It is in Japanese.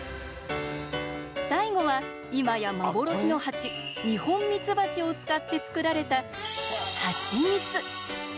最後は今や幻の蜂、二ホンミツバチを使って作られたハチミツ。